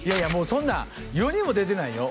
そんな世にも出てないよ